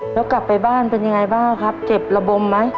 แล้วกลับไปบ้านเป็นยังไงบ้างครับเจ็บระบมไหม